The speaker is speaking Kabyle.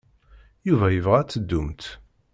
Yuba yebɣa ad teddumt.